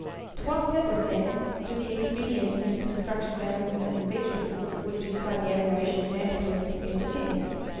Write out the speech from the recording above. To what purpose, then, do the expedients in the construction of animals and vegetables, which excite the admiration of naturalists, appear to tend